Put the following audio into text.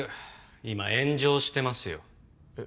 今炎上してますよえ